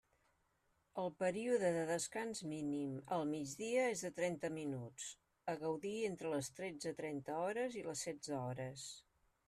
El període de descans mínim al migdia és de trenta minuts, a gaudir entre les tretze trenta hores i les setze hores.